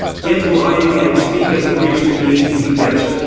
Yet will I again speak as appears to me to be best.